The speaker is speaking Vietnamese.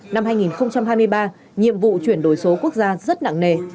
năm hai nghìn hai mươi ba nhiệm vụ chuyển đổi số quốc gia rất nặng nề